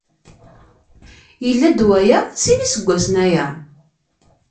Yalla-d waya sin iseggasen aya.